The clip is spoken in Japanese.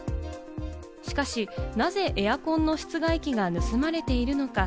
しかし、なぜエアコンの室外機が盗まれているのか？